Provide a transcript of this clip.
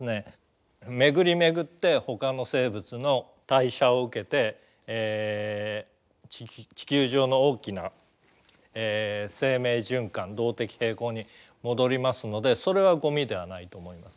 巡り巡ってほかの生物の代謝を受けて地球上の大きな生命循環動的平衡に戻りますのでそれはゴミではないと思います。